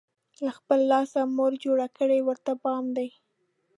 له خپل لاسه، مور جوړ کړی ورته بام دی